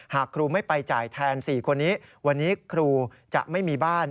หากครูไม่ไปจ่ายแทน๔คนนี้วันนี้ครูจะไม่มีบ้าน